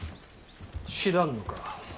知らぬのか。